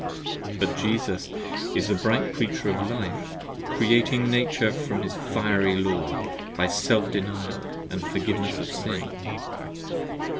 But Jesus is the bright Preacher of Life, Creating Nature from this fiery Law, By self denial & forgiveness of Sin.